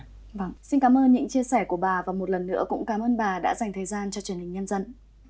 vâng xin cảm ơn những chia sẻ của bà và một lần nữa cũng cảm ơn bà đã dành thời gian cho truyền hình nhân dân